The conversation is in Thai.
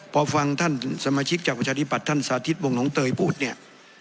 พอฟังท่านสมาชิกจากประชาธิบัติท่านสาธิตวงน้องเตยพูดเนี่ย